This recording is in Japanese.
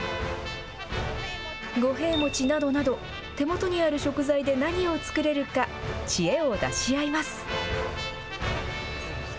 五平餅などなど、手元にある食材で何を作れるか、知恵を出し合います。